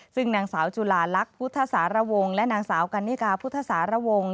ซึ่งนางสาวจุลาลักษณ์พุทธสารวงและนางสาวกันนิกาพุทธสารวงศ์